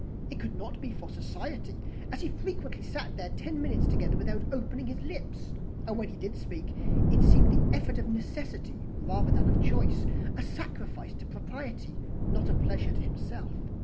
It could not be for society, as he frequently sat there ten minutes together without opening his lips; and when he did speak, it seemed the effect of necessity rather than of choice a sacrifice to propriety, not a pleasure to himself.